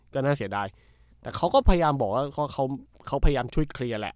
ก็น่าเสียดายแต่เขาก็พยายามบอกว่าเขาพยายามช่วยเคลียร์แหละ